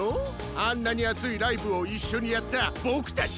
あんなにあついライブをいっしょにやったボクたちを。